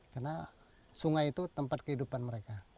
karena sungai itu tempat kehidupan mereka